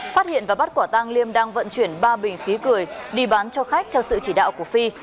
phát hiện và bắt quả tang liêm đang vận chuyển ba bình khí cười đi bán cho khách theo sự chỉ đạo của phi